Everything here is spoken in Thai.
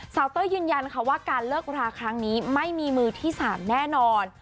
เต้ยยืนยันค่ะว่าการเลิกราครั้งนี้ไม่มีมือที่๓แน่นอน